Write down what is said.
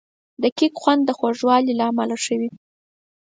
د کیک خوند د خوږوالي له امله ښه وي.